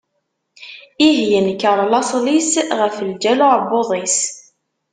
Ih, yenker laṣel-is ɣef lǧal uɛebbuḍ-is.